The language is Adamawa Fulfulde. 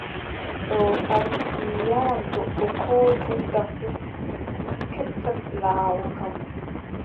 Ɗo kam mi yaaran goɗɗo koo jonta fuu, heɓtan laawol kam.